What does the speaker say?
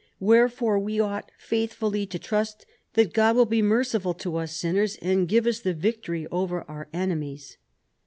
Wherefore we ought faithfully to trust that God will be merciful to us sinners and give us the victory over our enemies."